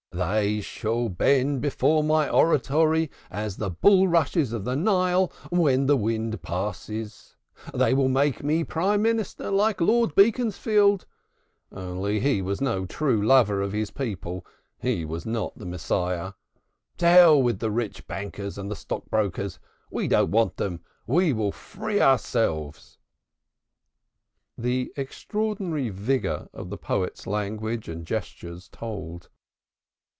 They shall bend before my oratory as the bulrushes of the Nile when the wind passes. They will make me Prime Minister like Lord Beaconsfield, only he was no true lover of his people, he was not the Messiah. To hell with the rich bankers and the stockbrokers we want them not. We will free ourselves." The extraordinary vigor of the poet's language and gestures told.